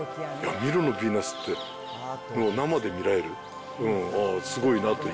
ミロのビーナスって生で見られる、すごいなという。